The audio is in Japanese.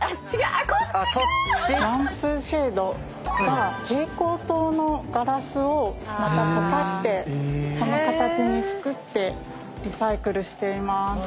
ランプシェードが蛍光灯のガラスをまた溶かしてこの形に作ってリサイクルしています。